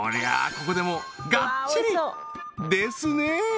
ここでもがっちりですね！